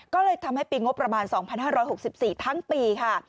ก็เลยทำให้ปีงบประมาณ๒๕๖๔ทั้งปีค่ะ